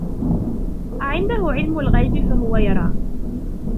أَعِنْدَهُ عِلْمُ الْغَيْبِ فَهُوَ يَرَى